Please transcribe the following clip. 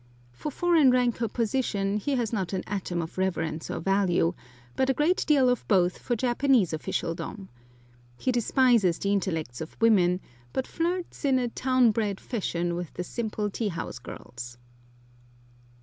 For foreign rank or position he has not an atom of reverence or value, but a great deal of both for Japanese officialdom. He despises the intellects of women, but flirts in a town bred fashion with the simple tea house girls.